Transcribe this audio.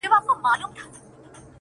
پيل كي وړه كيسه وه غـم نه وو-